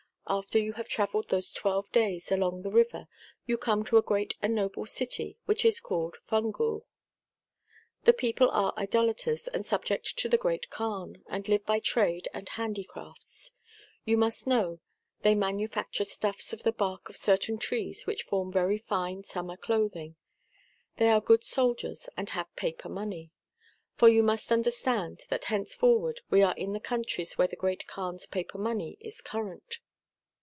After you have travelled those twelve days along the river you come to a great and noble city which is called Fuxgul.' The people are Idolaters and subject to the Great Kaan, and live by trade and handicrafts. You must know they manufacture stuffs of the bark of certain trees which form very fine summer clothing.^ They are good soldiers, and have paper money. For you must understand that hence forward we are in the countries where the Great Kaan's paper money is current.